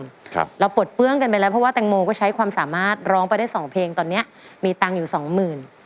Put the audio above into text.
ครับเราปลดเปื้องกันไปแล้วเพราะว่าแตงโมก็ใช้ความสามารถร้องไปได้สองเพลงตอนเนี้ยมีตังค์อยู่สองหมื่น